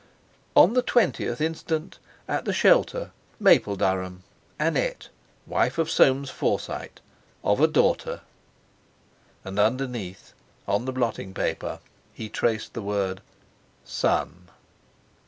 "On the 20th instant at The Shelter; Mapledurham, Annette, wife of Soames Forsyte, of a daughter." And underneath on the blottingpaper he traced the word "son."